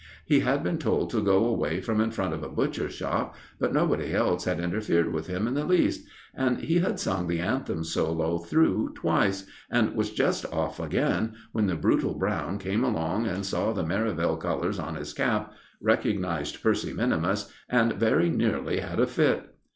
He had been told to go away from in front of a butcher's shop, but nobody else had interfered with him in the least, and he had sung the anthem solo through twice, and was just off again when the brutal Brown came along and saw the Merivale colours on his cap, recognized Percy minimus, and very nearly had a fit.